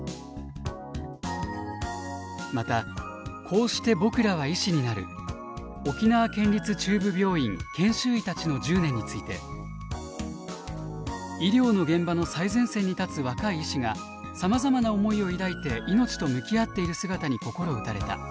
また「こうして僕らは医師になる沖縄県立中部病院研修医たちの１０年」について「医療の現場の最前線に立つ若い医師がさまざまな思いを抱いて命と向き合っている姿に心打たれた」